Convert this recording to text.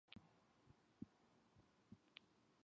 Lebda graduated from Pioneer High School.